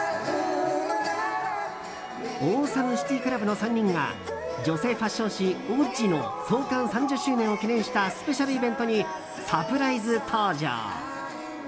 ＡｗｅｓｏｍｅＣｉｔｙＣｌｕｂの３人が女性ファッション誌「Ｏｇｇｉ」の創刊３０周年を記念したスペシャルイベントにサプライズ登場。